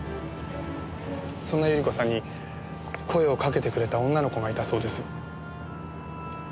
そんな百合子さんに声をかけてくれた女の子がいたそうです。